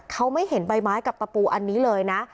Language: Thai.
เขาไม่เห็นใบไม้กับตะปูอันนี้เลยนะ